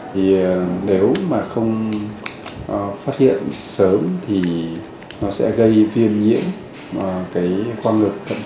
thì nếu mà không phát hiện sớm thì nó sẽ gây viêm nhiễm qua ngực